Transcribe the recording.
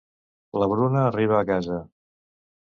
La Bruna arriba a casa.